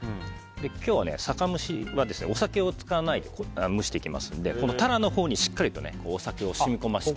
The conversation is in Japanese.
今日、酒蒸しはお酒を使わないで蒸していきますのでこのタラのほうにしっかりとお酒を染み込ませて。